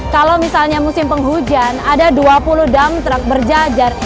kalau misalnya musim penghujan ada dua puluh dump truck berjajar